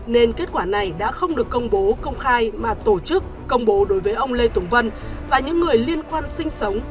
nên kết quả này đã không được công bố công khai mà tổ chức công bố đối với ông lê tùng vân và những người liên quan sinh sống